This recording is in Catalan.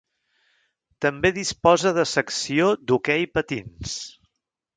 També disposa de secció d'hoquei patins.